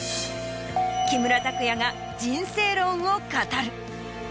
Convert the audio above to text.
木村拓哉が人生論を語る。